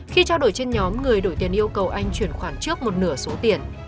khi trao đổi trên nhóm người đổi tiền yêu cầu anh chuyển khoản trước một nửa số tiền